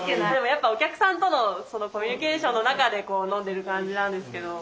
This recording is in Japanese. やっぱお客さんとのコミュニケーションの中で飲んでる感じなんですけど。